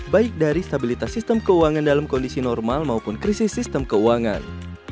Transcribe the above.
baik dari stabilitas sistem keuangan dalam kondisi normal maupun krisis sistem keuangan